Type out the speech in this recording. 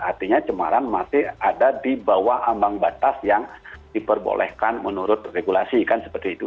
artinya cemaran masih ada di bawah ambang batas yang diperbolehkan menurut regulasi kan seperti itu